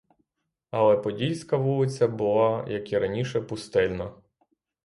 Але подільська вулиця була, як і раніше, пустельна.